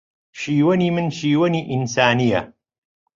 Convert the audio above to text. شیوەنی من شیوەنی ئینسانییە